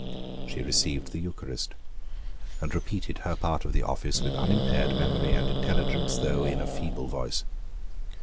She received the Eucharist, and repeated her part of the office with unimpaired memory and intelligence, though in a feeble voice.